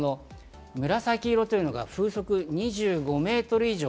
紫色というのが風速２５メートル以上。